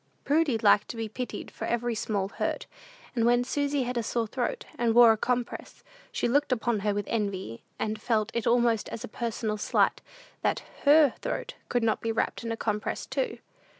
Prudy liked to be pitied for every small hurt; and when Susy had a sore throat, and wore a compress, she looked upon her with envy, and felt it almost as a personal slight that her throat could not be wrapped in a compress too.